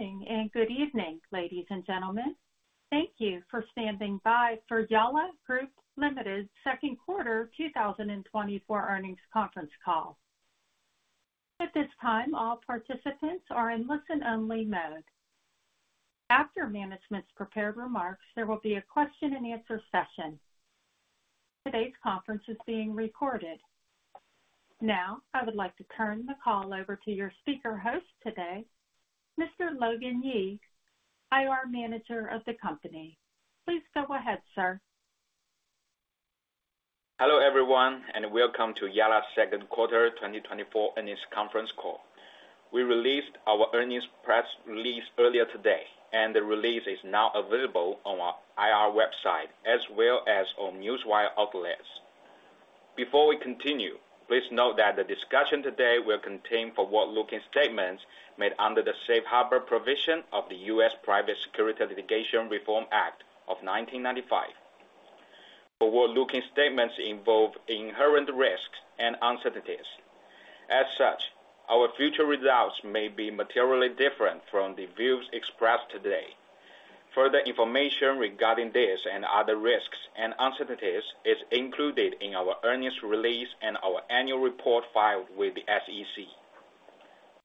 Good morning, and good evening, ladies and gentlemen. Thank you for standing by for Yalla Group Limited Second Quarter 2024 Earnings Conference Call. At this time, all participants are in listen-only mode. After management's prepared remarks, there will be a question-and-answer session. Today's conference is being recorded. Now, I would like to turn the call over to your speaker host today, Mr. Logan Ye, IR Manager of the company. Please go ahead, sir. Hello, everyone, and welcome to Yalla Second Quarter 2024 Earnings Conference Call. We released our earnings press release earlier today, and the release is now available on our IR website as well as on Newswire outlets. Before we continue, please note that the discussion today will contain forward-looking statements made under the Safe Harbor provision of the U.S. Private Securities Litigation Reform Act of 1995. Forward-looking statements involve inherent risks and uncertainties. As such, our future results may be materially different from the views expressed today. Further information regarding this and other risks and uncertainties is included in our earnings release and our annual report filed with the SEC.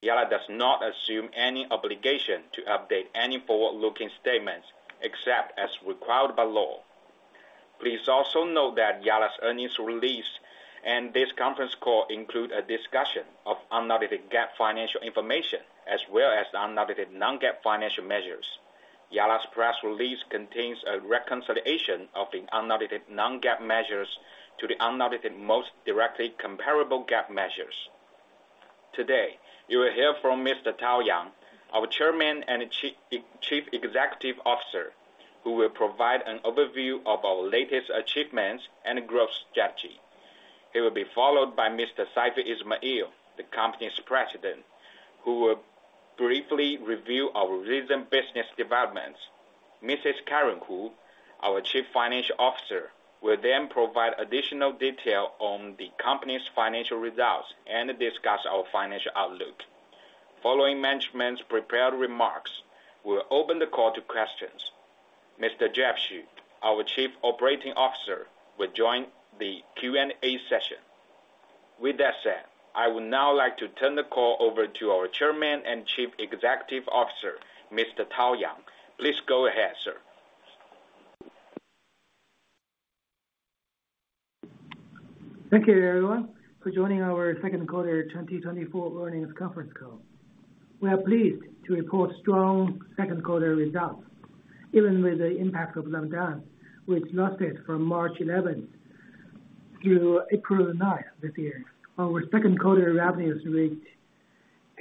Yalla does not assume any obligation to update any forward-looking statements except as required by law. Please also note that Yalla's earnings release and this conference call include a discussion of unaudited GAAP financial information, as well as unaudited non-GAAP financial measures. Yalla's press release contains a reconciliation of the unaudited non-GAAP measures to the unaudited, most directly comparable GAAP measures. Today, you will hear from Mr. Tao Yang, our Chairman and Chief Executive Officer, who will provide an overview of our latest achievements and growth strategy. He will be followed by Mr. Saifi Ismail, the company's President, who will briefly review our recent business developments. Mrs. Karen Hu, our Chief Financial Officer, will then provide additional detail on the company's financial results and discuss our financial outlook. Following management's prepared remarks, we will open the call to questions. Mr. Jeff Xu, our Chief Operating Officer, will join the Q&A session. With that said, I would now like to turn the call over to our Chairman and Chief Executive Officer, Mr. Tao Yang. Please go ahead, sir. Thank you, everyone, for joining our second quarter 2024 earnings conference call. We are pleased to report strong second quarter results, even with the impact of lockdown, which lasted from March eleventh through April ninth this year. Our second quarter revenues reached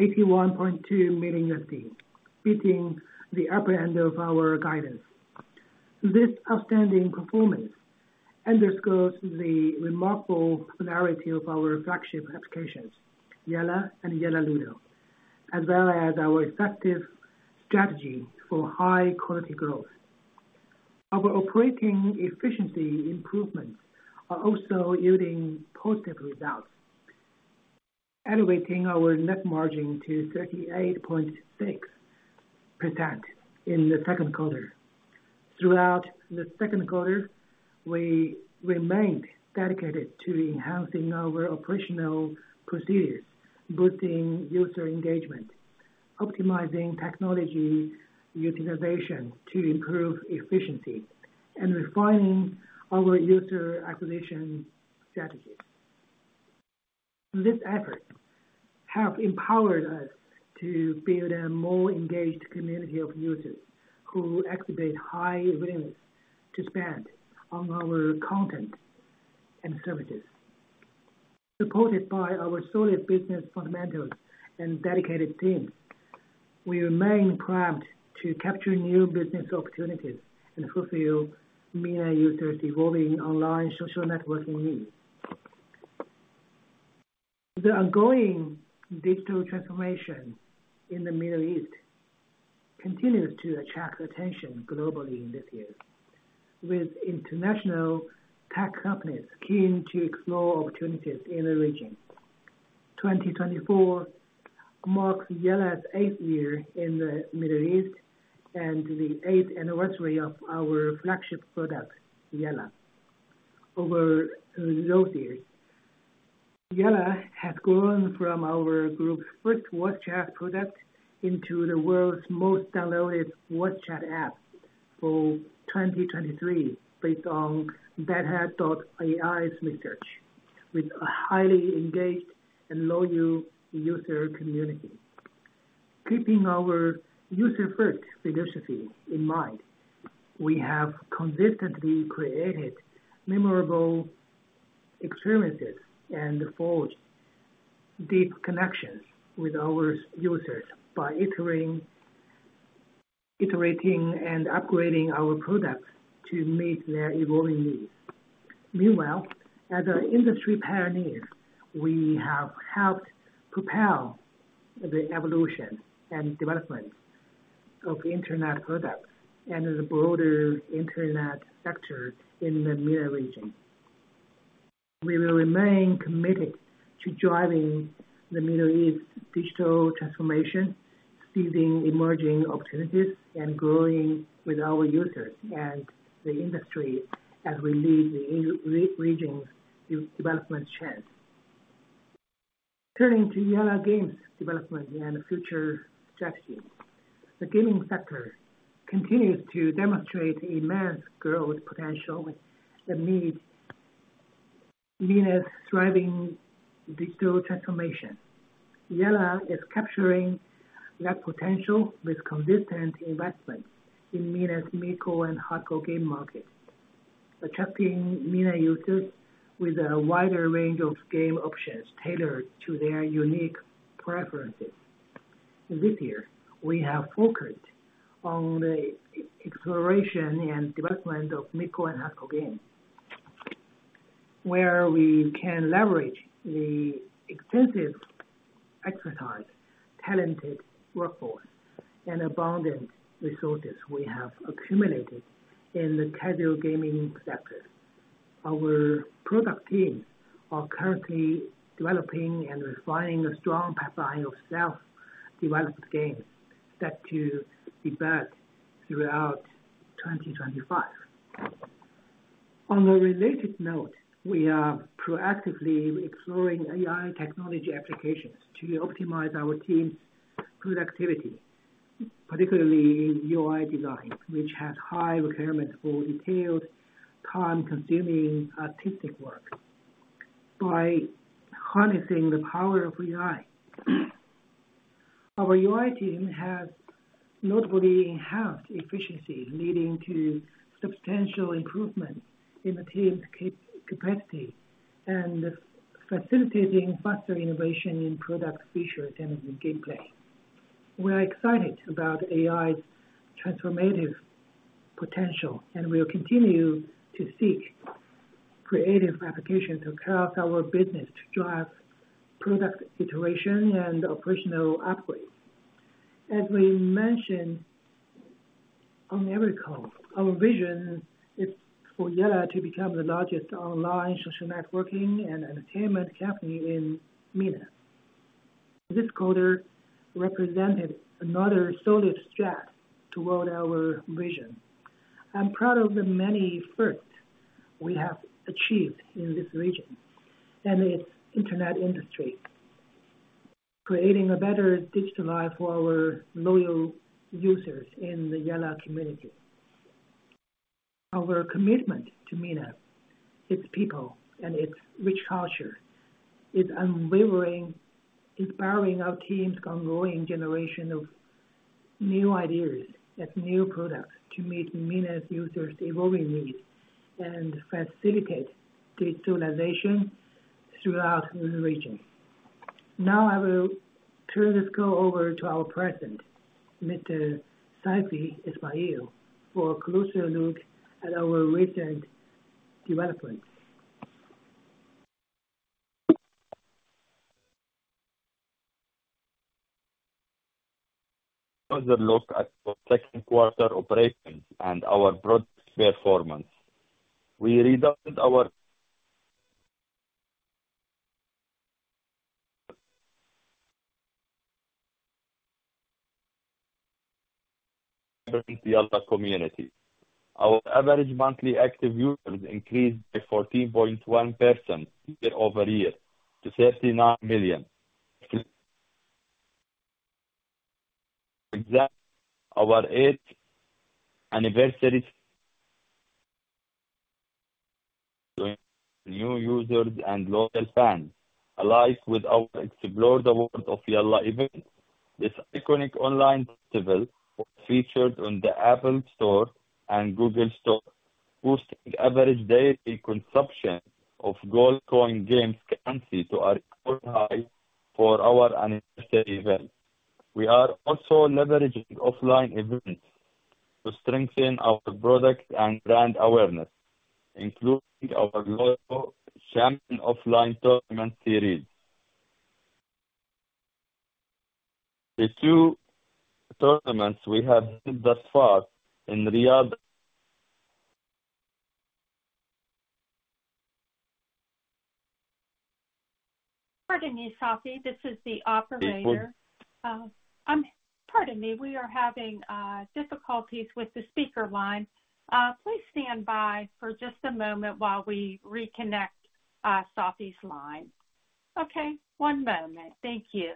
$81.2 million, beating the upper end of our guidance. This outstanding performance underscores the remarkable popularity of our flagship applications, Yalla and Yalla Ludo, as well as our effective strategy for high-quality growth. Our operating efficiency improvements are also yielding positive results, elevating our net margin to 38.6% in the second quarter. Throughout the second quarter, we remained dedicated to enhancing our operational procedures, boosting user engagement, optimizing technology utilization to improve efficiency, and refining our user acquisition strategies. These efforts have empowered us to build a more engaged community of users who exhibit high willingness to spend on our content and services. Supported by our solid business fundamentals and dedicated team, we remain primed to capture new business opportunities and fulfill MENA users' evolving online social networking needs. The ongoing digital transformation in the Middle East continues to attract attention globally this year, with international tech companies keen to explore opportunities in the region. 2024 marks Yalla's eighth year in the Middle East and the eighth anniversary of our flagship product, Yalla. Over those years, Yalla has grown from our group's first WhatsApp product into the world's most downloaded WhatsApp app for 2023, based on data.ai's research, with a highly engaged and loyal user community. Keeping our user-first philosophy in mind, we have consistently created memorable experiences and forged deep connections with our users by iterating, iterating, and upgrading our products to meet their evolving needs. Meanwhile, as an industry pioneer, we have helped propel the evolution and development of internet products and the broader internet sector in the MENA region. We will remain committed to driving the Middle East's digital transformation, seizing emerging opportunities, and growing with our users and the industry as we lead the region's development chance. Turning to Yalla Games development and future strategy. The gaming sector continues to demonstrate immense growth potential within MENA's thriving digital transformation. Yalla is capturing that potential with consistent investment in MENA's mid-core and hardcore game market, attracting MENA users with a wider range of game options tailored to their unique preferences. This year, we have focused on the exploration and development of mid-core and hardcore games, where we can leverage the extensive experience, talented workforce, and abundant resources we have accumulated in the casual gaming sector. Our product teams are currently developing and refining a strong pipeline of self-developed games set to be built throughout 2025. On a related note, we are proactively exploring AI technology applications to optimize our team's productivity, particularly in UI design, which has high requirements for detailed, time-consuming artistic work. By harnessing the power of AI, our UI team has notably enhanced efficiency, leading to substantial improvement in the team's capacity and facilitating faster innovation in product features and gameplay. We're excited about AI's transformative potential, and we'll continue to seek creative applications across our business to drive product iteration and operational upgrades. As we mentioned on every call, our vision is for Yalla to beócome the largest online social networking and entertainment company in MENA. This quarter represented another solid step toward our vision. I'm proud of the many firsts we have achieved in this region and its internet industry, creating a better digital life for our loyal users in the Yalla community. Our commitment to MENA, its people, and its rich culture is unwavering, empowering our teams on growing generation of new ideas and new products to meet MENA's users' evolving needs and facilitate digitalization throughout the region. Now, I will turn this call over to our president, Mr. Saifi Ismail, for a closer look at our recent developments.... closer look at the second quarter operations and our product performance. We redoubled our efforts to engage the Yalla community. Our average monthly active users increased by 14.1% year-over-year to 39 million. At our eighth anniversary, we engaged new users and loyal fans alike with our Explore the World of Yalla event. This iconic online festival was featured on the App Store and Google Play, boosting average daily consumption of gold coin games currency to a record high for our anniversary event. We are also leveraging offline events to strengthen our product and brand awareness, including our Global Champion offline tournament series. The two tournaments we have done thus far in Riyadh- Pardon me, Saifi, this is the operator. Yes, please. Pardon me, we are having difficulties with the speaker line. Please stand by for just a moment while we reconnect Saifi's line. Okay, one moment. Thank you.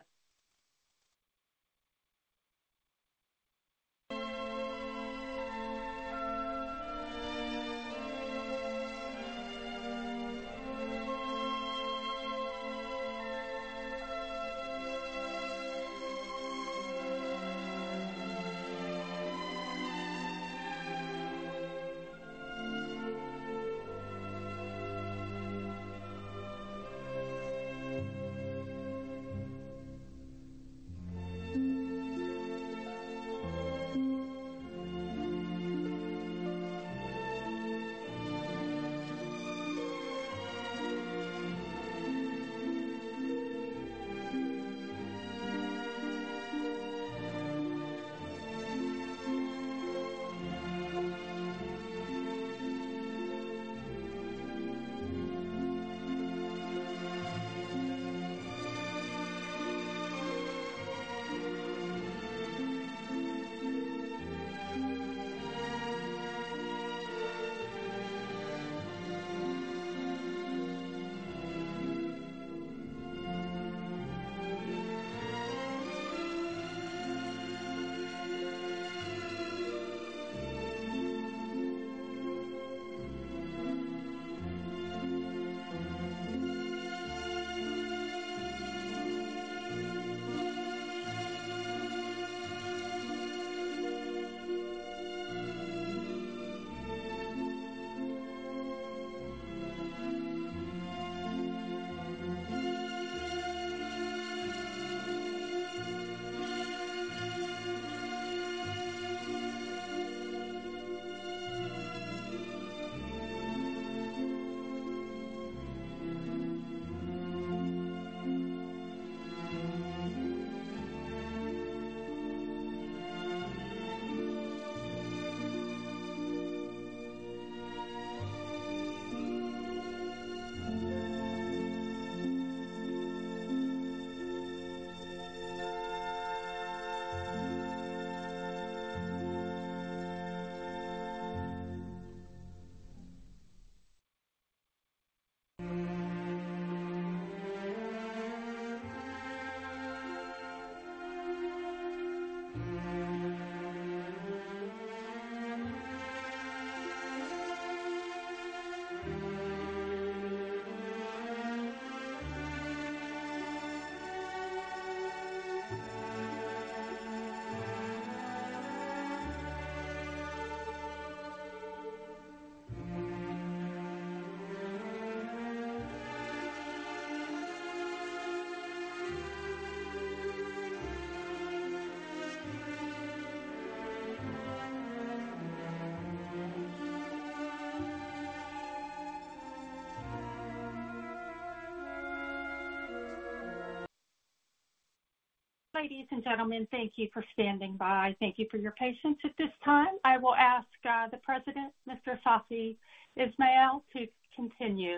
Ladies and gentlemen, thank you for standing by. Thank you for your patience. At this time, I will ask the President, Mr. Saifi Ismail, to continue.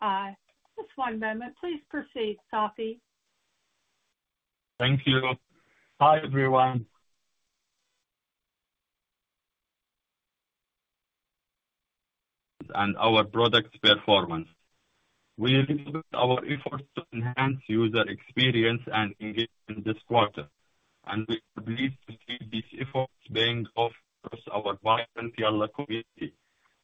Just one moment. Please proceed, Saifi. Thank you. Hi, everyone. Our product's performance. We increased our efforts to enhance user experience and engagement this quarter, and we are pleased to see these efforts paying off across our vibrant Yalla community.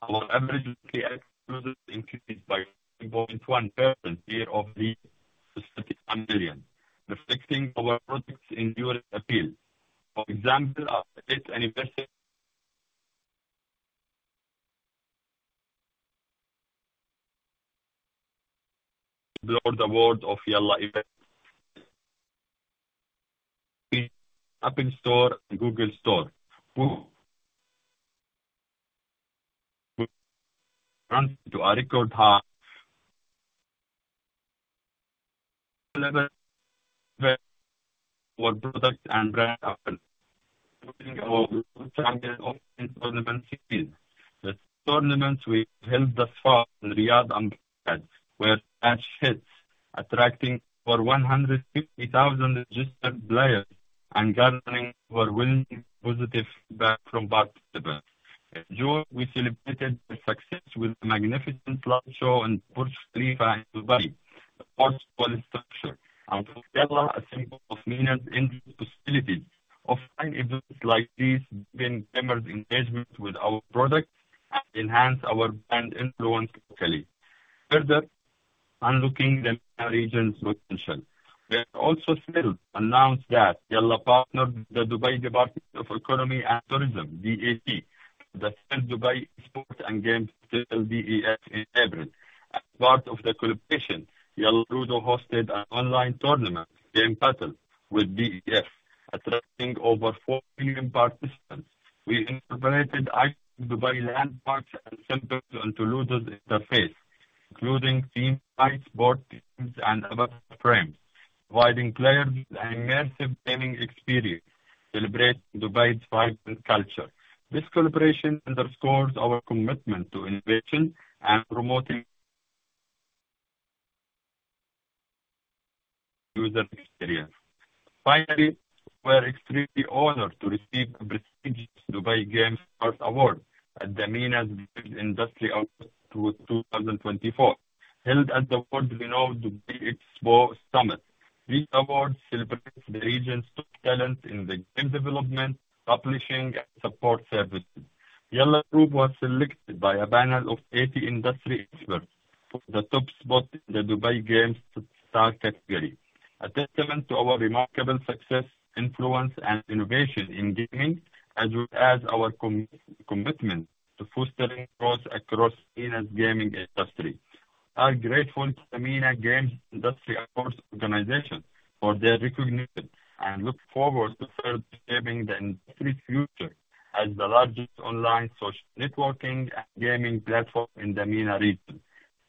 Our average daily active users increased by 2.1% year-over-year to 31 million, reflecting our products' enduring appeal. For example, our eighth anniversary... Award of Yalla event... App Store and Google Play, who... To a record high... Our product and brand appeal, including our online tournament series. The tournaments we held this fall in Riyadh and Dubai were huge hits, attracting over 150,000 registered players and garnering overwhelming positive feedback from participants. In June, we celebrated the success with a magnificent light show on Burj Khalifa in Dubai, the world's tallest structure, and for Yalla, a symbol of MENA's endless possibilities. Offline events like these deepen gamers' engagement with our product and enhance our brand influence locally. Further, unlocking the MENA region's potential. We are also thrilled to announce that Yalla partnered with the Dubai Department of Economy and Tourism, DEDT, for the first Dubai Esports and Games Festival, DEF, in April. As part of the collaboration, Yalla Ludo hosted an online tournament, Game Battle, with DEF, attracting over 4 million participants. We incorporated iconic Dubai landmarks and symbols into Ludo's interface, including teams, sports teams, and the Burj Khalifa, providing players an immersive gaming experience, celebrating Dubai's vibrant culture. This collaboration underscores our commitment to innovation and promoting user experience. Finally, we are extremely honored to receive the prestigious Dubai Games Award at the MENA's Industry Awards 2024, held at the world-renowned Dubai Expo Summit. These awards celebrate the region's top talent in the game development, publishing, and support services. Yalla Group was selected by a panel of 80 industry experts for the top spot in the Dubai Games Star category, a testament to our remarkable success, influence, and innovation in gaming, as well as our commitment to fostering growth across MENA's gaming industry. I'm grateful to the MENA Games Industry Awards organization for their recognition and look forward to further shaping the industry's future as the largest online social networking and gaming platform in the MENA region.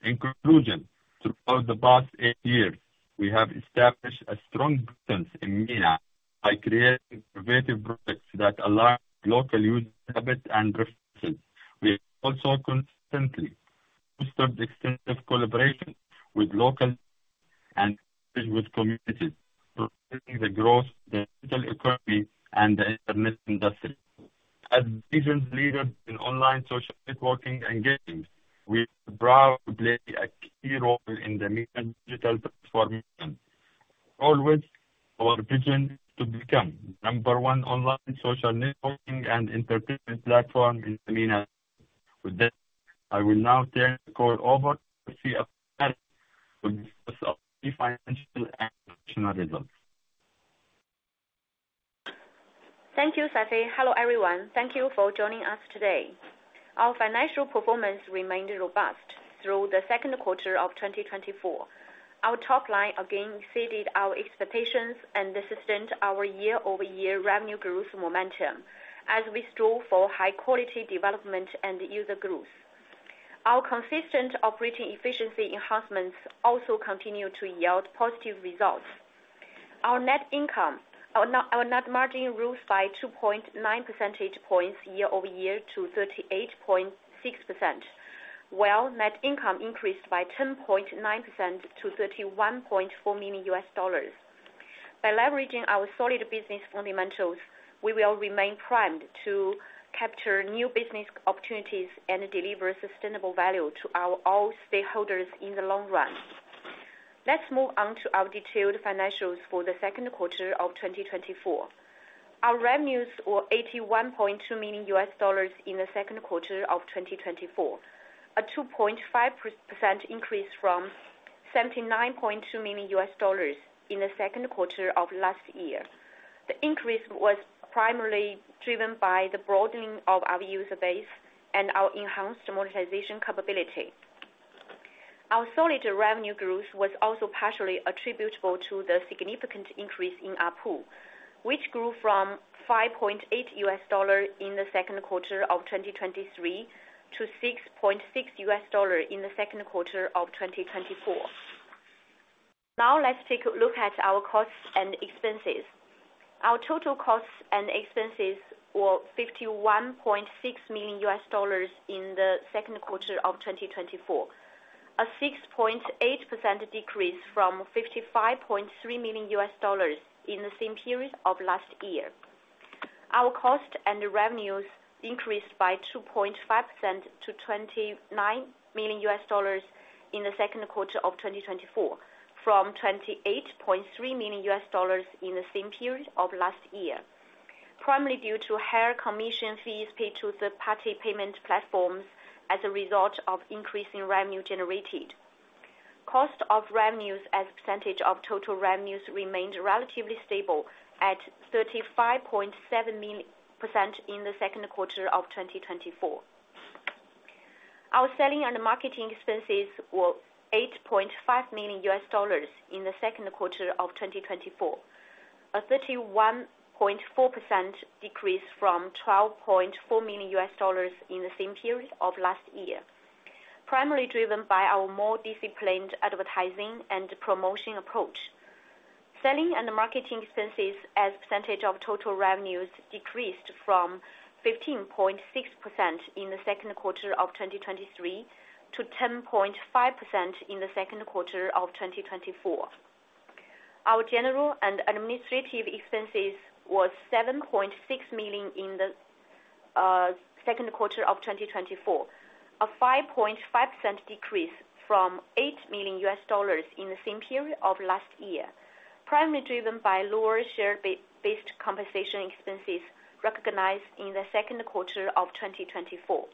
In conclusion, throughout the past 8 years, we have established a strong presence in MENA. By creating innovative products that align with local user habits and preferences. We have also consistently fostered extensive collaboration with local communities, promoting the growth of the digital economy and the internet industry. As regional leaders in online social networking and games, we are proud to play a key role in the MENA digital transformation. As always, our vision is to become the number one online social networking and entertainment platform in the MENA region. With that, I will now turn the call over to Cindy Apalati, who will discuss our key financial and operational results. Thank you, Saifi. Hello, everyone. Thank you for joining us today. Our financial performance remained robust through the second quarter of 2024. Our top line again exceeded our expectations and sustained our year-over-year revenue growth momentum as we strove for high quality development and user growth. Our consistent operating efficiency enhancements also continued to yield positive results. Our net income, our net margin grew by 2.9 percentage points year-over-year to 38.6%, while net income increased by 10.9% to $31.4 million. By leveraging our solid business fundamentals, we will remain primed to capture new business opportunities and deliver sustainable value to our all stakeholders in the long run. Let's move on to our detailed financials for the second quarter of 2024. Our revenues were $81.2 million in the second quarter of 2024, a 2.5% increase from $79.2 million in the second quarter of last year. The increase was primarily driven by the broadening of our user base and our enhanced monetization capability. Our solid revenue growth was also partially attributable to the significant increase in ARPU, which grew from $5.8 in the second quarter of 2023 to $6.6 in the second quarter of 2024. Now, let's take a look at our costs and expenses. Our total costs and expenses were $51.6 million in the second quarter of 2024, a 6.8% decrease from $55.3 million in the same period of last year. Our cost and revenues increased by 2.5% to $29 million in the second quarter of 2024, from $28.3 million in the same period of last year, primarily due to higher commission fees paid to the party payment platforms as a result of increasing revenue generated. Cost of revenues as a percentage of total revenues remained relatively stable at 35.7% in the second quarter of 2024. Our selling and marketing expenses were $8.5 million in the second quarter of 2024, a 31.4% decrease from $12.4 million in the same period of last year, primarily driven by our more disciplined advertising and promotion approach. Selling and marketing expenses as a percentage of total revenues decreased from 15.6% in the second quarter of 2023 to 10.5% in the second quarter of 2024. Our general and administrative expenses was $7.6 million in the second quarter of 2024, a 5.5% decrease from $8 million in the same period of last year, primarily driven by lower share-based compensation expenses recognized in the second quarter of 2024.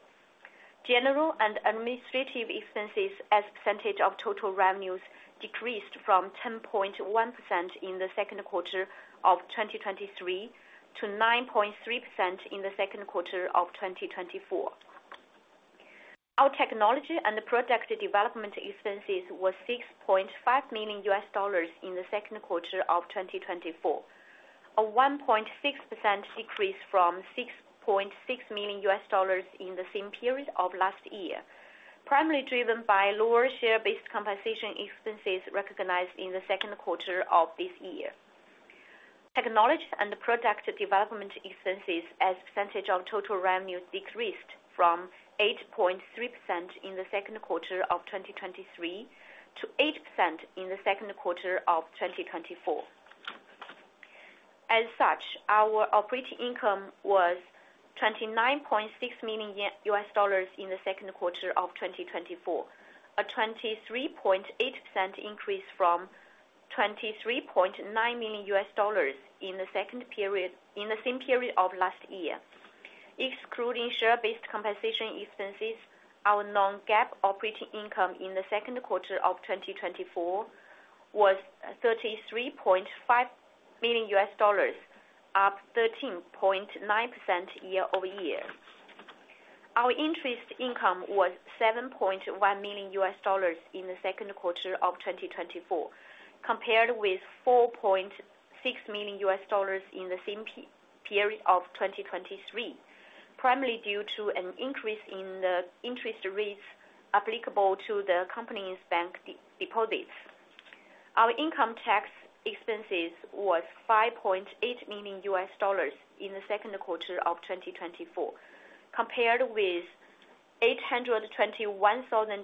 General and administrative expenses as a percentage of total revenues decreased from 10.1% in the second quarter of 2023 to 9.3% in the second quarter of 2024. Our technology and product development expenses were $6.5 million in the second quarter of 2024, a 1.6% decrease from $6.6 million in the same period of last year, primarily driven by lower share-based compensation expenses recognized in the second quarter of this year. Technology and product development expenses as a percentage of total revenues decreased from 8.3% in the second quarter of 2023 to 8% in the second quarter of 2024. As such, our operating income was $29.6 million in the second quarter of 2024, a 23.8% increase from $23.9 million in the same period of last year. Excluding share-based compensation expenses, our non-GAAP operating income in the second quarter of 2024 was $33.5 million, up 13.9% year-over-year. Our interest income was $7.1 million in the second quarter of 2024, compared with $4.6 million in the same period of 2023, primarily due to an increase in the interest rates applicable to the company's bank deposits. Our income tax expenses was $5.8 million in the second quarter of 2024, compared with $821,000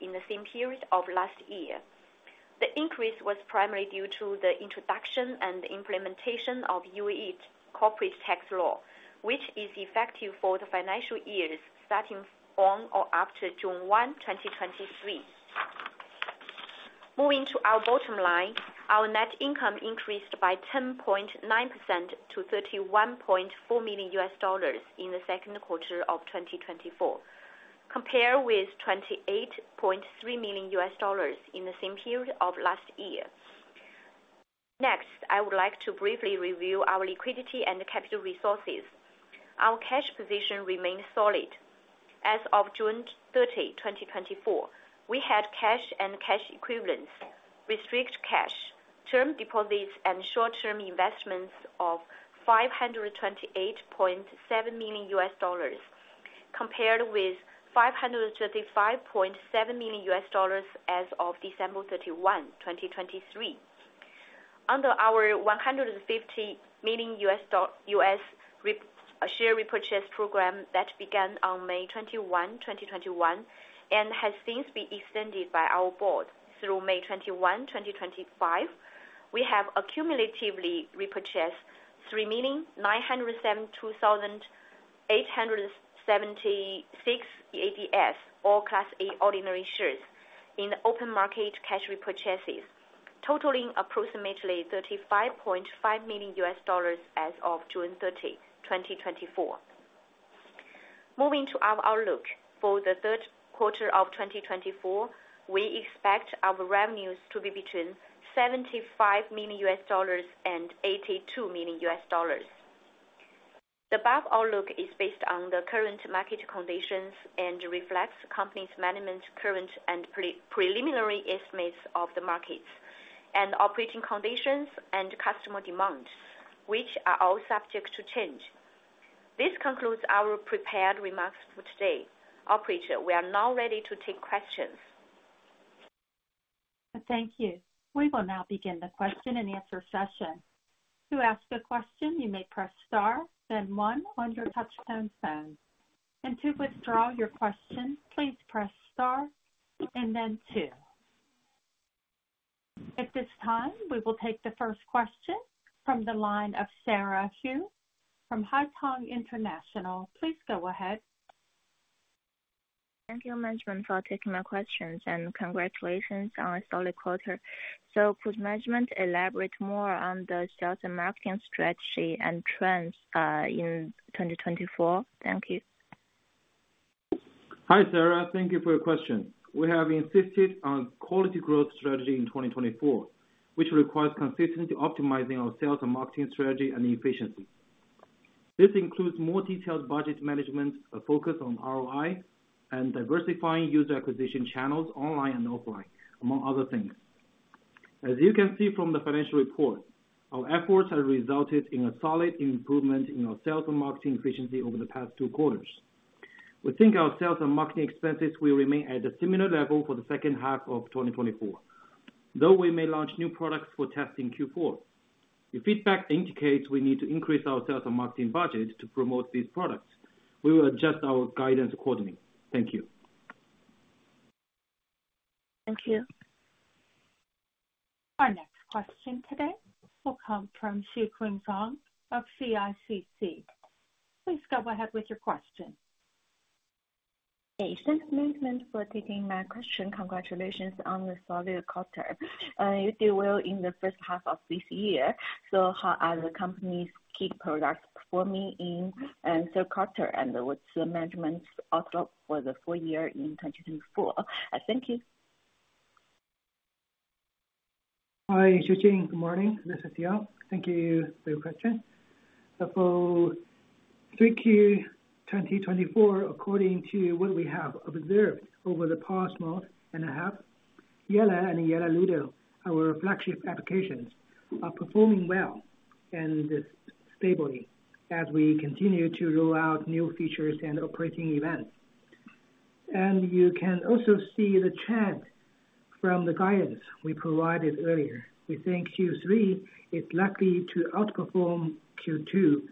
in the same period of last year. The increase was primarily due to the introduction and implementation of UAE corporate tax law, which is effective for the financial years starting on or after June 1, 2023. Moving to our bottom line, our net income increased by 10.9% to $31.4 million in the second quarter of 2024, compared with $28.3 million in the same period of last year. Next, I would like to briefly review our liquidity and capital resources. Our cash position remains solid. As of June 30, 2024, we had cash and cash equivalents, restricted cash, term deposits, and short-term investments of $528.7 million, compared with $535.7 million as of December 31, 2023. Under our $150 million share repurchase program that began on May 21, 2021, and has since been extended by our board through May 21, 2025, we have accumulatively repurchased 3,972,876 ADS, or Class A ordinary shares, in open market cash repurchases, totaling approximately $35.5 million as of June 30, 2024. Moving to our outlook. For the third quarter of 2024, we expect our revenues to be between $75 million and $82 million. The above outlook is based on the current market conditions and reflects the company's management's current and preliminary estimates of the markets and operating conditions and customer demand, which are all subject to change. This concludes our prepared remarks for today. Operator, we are now ready to take questions. Thank you. We will now begin the question-and-answer session. To ask a question, you may press star then one on your touchtone phone. To withdraw your question, please press star and then two. At this time, we will take the first question from the line of Sarah Hu from Haitong International. Please go ahead. Thank you, management, for taking my questions, and congratulations on a solid quarter. Could management elaborate more on the sales and marketing strategy and trends in 2024? Thank you. Hi, Sarah. Thank you for your question. We have insisted on quality growth strategy in 2024, which requires consistently optimizing our sales and marketing strategy and efficiency. This includes more detailed budget management, a focus on ROI, and diversifying user acquisition channels online and offline, among other things. As you can see from the financial report, our efforts have resulted in a solid improvement in our sales and marketing efficiency over the past 2 quarters. We think our sales and marketing expenses will remain at a similar level for the second half of 2024, though we may launch new products for testing in Q4. If feedback indicates we need to increase our sales and marketing budget to promote these products, we will adjust our guidance accordingly. Thank you. Thank you. Our next question today will come from Xueqing Zhang of CICC. Please go ahead with your question. Thanks, management, for taking my question. Congratulations on the solid quarter, you did well in the first half of this year. So how are the company's key products performing in third quarter, and what's the management's outlook for the full year in 2024? Thank you. Hi, Xueqing. Good morning. This is Yang. Thank you for your question. So for Q3 2024, according to what we have observed over the past month and a half, Yalla and Yalla Ludo, our flagship applications, are performing well and stably as we continue to roll out new features and operating events. And you can also see the trend from the guidance we provided earlier. We think Q3 is likely to outperform Q2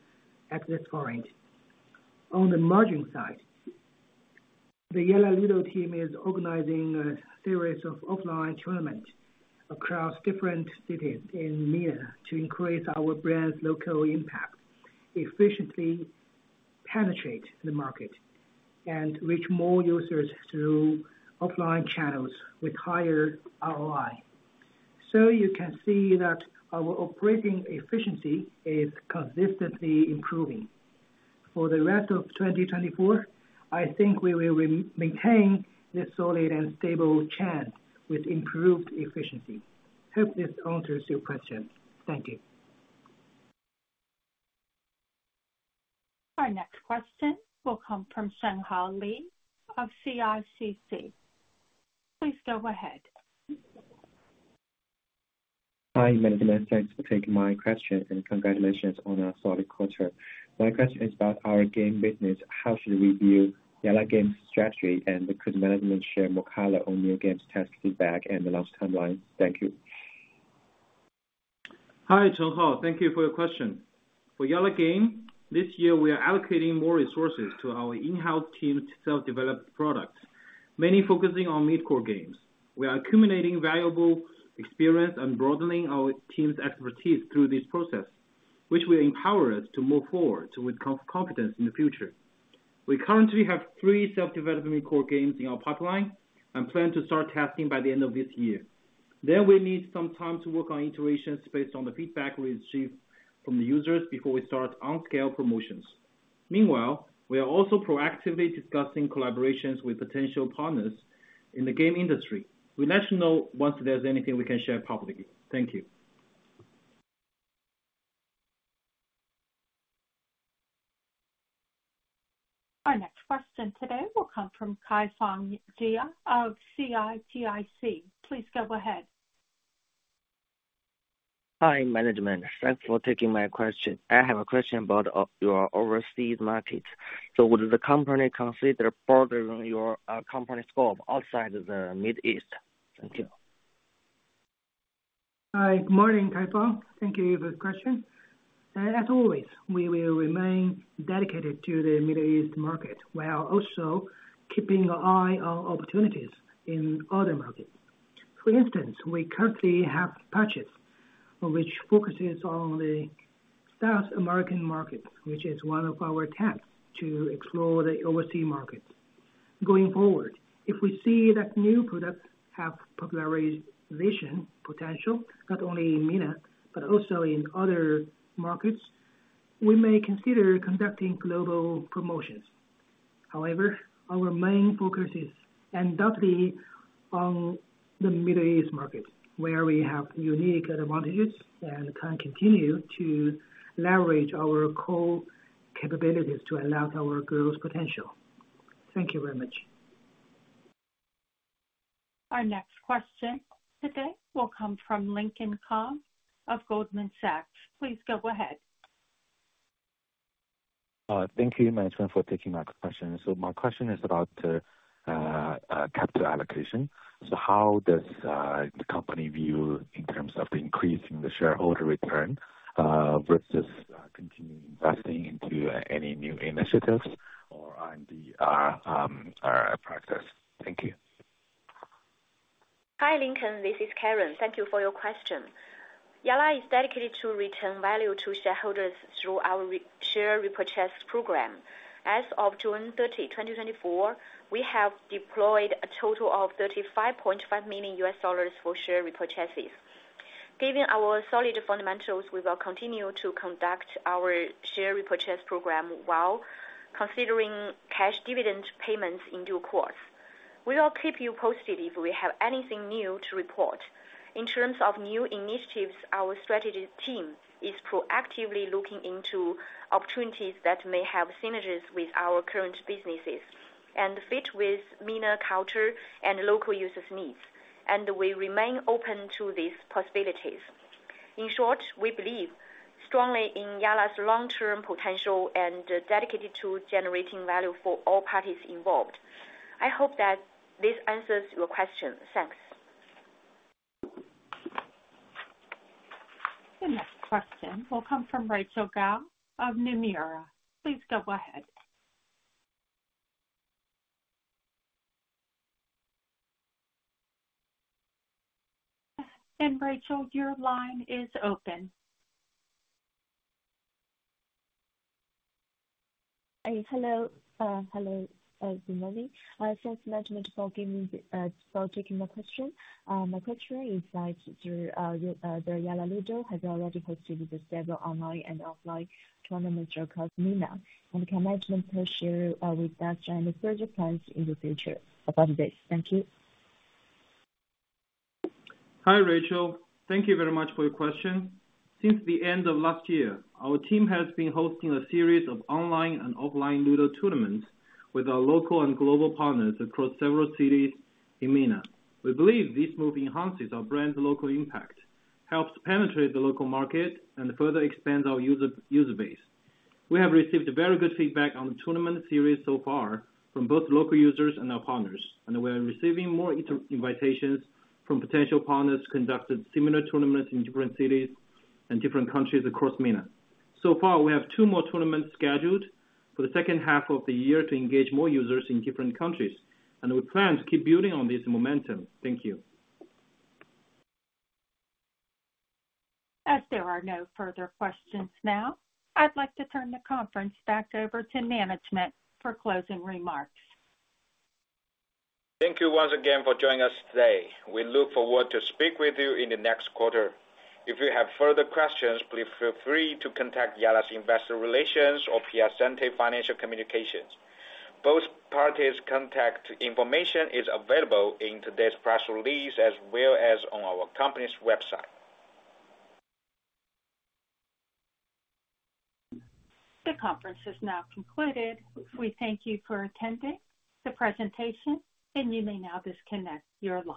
at this point. On the margin side, the Yalla Ludo team is organizing a series of offline tournaments across different cities in EMEA to increase our brand's local impact, efficiently penetrate the market, and reach more users through offline channels with higher ROI. So you can see that our operating efficiency is consistently improving. For the rest of 2024, I think we will maintain this solid and stable trend with improved efficiency. Hope this answers your question. Thank you. Our next question will come from Chenghao Li of CICC. Please go ahead.... Hi, management. Thanks for taking my questions, and congratulations on a solid quarter. My question is about our game business. How should we view Yalla Game strategy? And could management share more color on new games test feedback and the launch timeline? Thank you. Hi, Chenghao. Thank you for your question. For Yalla Games, this year, we are allocating more resources to our in-house team to self-develop products, mainly focusing on mid-core games. We are accumulating valuable experience and broadening our team's expertise through this process, which will empower us to move forward with confidence in the future. We currently have three self-development core games in our pipeline and plan to start testing by the end of this year. Then we need some time to work on iterations based on the feedback we receive from the users before we start on-scale promotions. Meanwhile, we are also proactively discussing collaborations with potential partners in the game industry. We'll let you know once there's anything we can share publicly. Thank you. Our next question today will come from Kaifang Jia of CITIC. Please go ahead. Hi, management. Thanks for taking my question. I have a question about your overseas markets. So would the company consider broadening your company scope outside of the Middle East? Thank you. Hi, good morning, Kaifang. Thank you for the question. As always, we will remain dedicated to the Middle East market, while also keeping an eye on opportunities in other markets. For instance, we currently have Parchis, which focuses on the South American market, which is one of our attempts to explore the overseas market. Going forward, if we see that new products have popularization potential, not only in MENA, but also in other markets, we may consider conducting global promotions. However, our main focus is undoubtedly on the Middle East market, where we have unique advantages and can continue to leverage our core capabilities to unlock our growth potential. Thank you very much. Our next question today will come from Lincoln Kong of Goldman Sachs. Please go ahead. Thank you, management, for taking my question. My question is about capital allocation. How does the company view in terms of increasing the shareholder return versus continuing investing into any new initiatives or on the practice? Thank you. Hi, Lincoln, this is Karen. Thank you for your question. Yalla is dedicated to return value to shareholders through our share repurchase program. As of June 30, 2024, we have deployed a total of $35.5 million for share repurchases. Given our solid fundamentals, we will continue to conduct our share repurchase program while considering cash dividend payments in due course. We will keep you posted if we have anything new to report. In terms of new initiatives, our strategy team is proactively looking into opportunities that may have synergies with our current businesses and fit with MENA culture and local users' needs, and we remain open to these possibilities. In short, we believe strongly in Yalla's long-term potential and dedicated to generating value for all parties involved. I hope that this answers your question. Thanks. The next question will come from Rachel Guo of Nomura. Please go ahead. Rachel, your line is open. Hello. Good morning. Thanks, management, for taking my question. My question is that the Yalla Ludo has already hosted several online and offline tournaments across MENA. Can management please share with us any further plans in the future about this? Thank you. Hi, Rachel. Thank you very much for your question. Since the end of last year, our team has been hosting a series of online and offline Ludo tournaments with our local and global partners across several cities in MENA. We believe this move enhances our brand's local impact, helps penetrate the local market, and further expands our user base. We have received very good feedback on the tournament series so far from both local users and our partners, and we are receiving more invitations from potential partners conducting similar tournaments in different cities and different countries across MENA. So far, we have two more tournaments scheduled for the second half of the year to engage more users in different countries, and we plan to keep building on this momentum. Thank you. As there are no further questions now, I'd like to turn the conference back over to management for closing remarks. Thank you once again for joining us today. We look forward to speak with you in the next quarter. If you have further questions, please feel free to contact Yalla's Investor Relations or Piacente Financial Communications. Both parties' contact information is available in today's press release, as well as on our company's website. The conference is now concluded. We thank you for attending the presentation, and you may now disconnect your line.